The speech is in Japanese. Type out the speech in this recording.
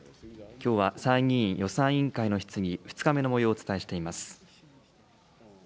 きょうは参議院予算委員会の質疑、２日のもようをお伝えしています。